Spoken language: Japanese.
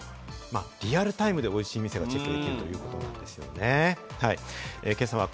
リアルタイムでおいしい店がチェックできるということですね。